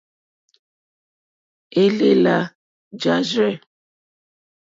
Élèlà jârzɛ̂.